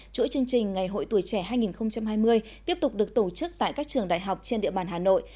chuỗi chương trình ngày hội tuổi trẻ hai nghìn hai mươi tiếp tục được tổ chức tại các trường đại học trên địa bàn hà nội